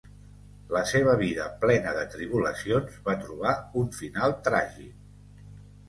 La seva vida plena de tribulacions va trobar un final tràgic.